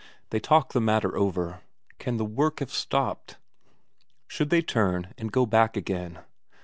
They talk the matter over: Can the work have stopped? Should they turn and go back again?